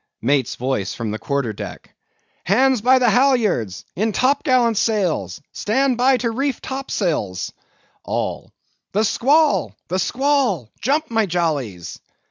MATE'S VOICE FROM THE QUARTER DECK. Hands by the halyards! in top gallant sails! Stand by to reef topsails! ALL. The squall! the squall! jump, my jollies!